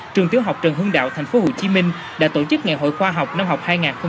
trường tiếu học trần hương đạo tp hcm đã tổ chức ngày hội khoa học năm học hai nghìn một mươi tám hai nghìn một mươi chín